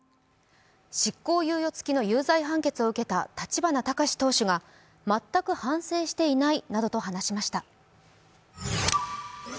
執行猶予付きの有罪判決を受けた立花孝志党首が全く反省していないなどと話しました。